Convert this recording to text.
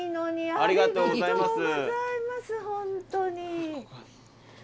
ありがとうございます。